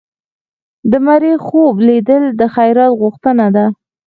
د مړي خوب لیدل د خیرات غوښتنه ده.